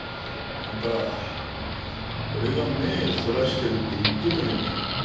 あんた俺が目ぇそらしてるって言ってたじゃねえか。